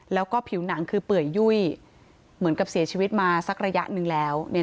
แล้วก็ผิวหนังคือเปื่อยยุ่ยเหมือนกับเสียชีวิตมาสักระยะหนึ่งแล้ว